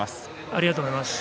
ありがとうございます。